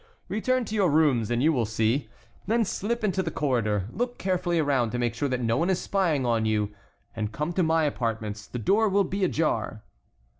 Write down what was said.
"Return to your rooms and you will see, then slip into the corridor, look carefully around to make sure that no one is spying on you, and come to my apartments. The door will be ajar."